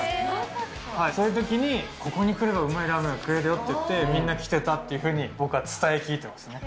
そういうときにここに来ればうまいラーメンが食えるよって言って、みんな来てたっていうふうに、僕は伝え聞いてますね。